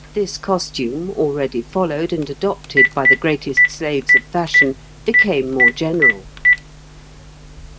this costume, already followed and adopted by the greatest slaves of fashion, became more general.